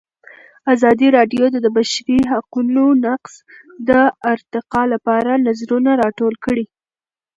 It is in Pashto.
ازادي راډیو د د بشري حقونو نقض د ارتقا لپاره نظرونه راټول کړي.